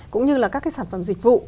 cũng như là các cái sản phẩm dịch vụ